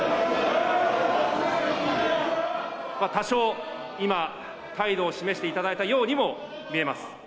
多少、今、態度を示していただいたようにも見えます。